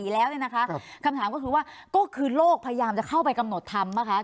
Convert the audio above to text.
แล้วเนี่ยนะคะคำถามก็คือว่าก็คือโลกพยายามจะเข้าไปกำหนดธรรมป่ะคะ